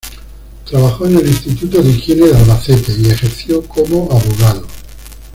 Trabajó en el Instituto de Higiene de Albacete y ejerció como abogado.